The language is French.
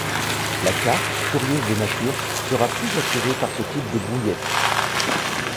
La carpe, curieuse de nature, sera plus attirée par ce type de bouillette.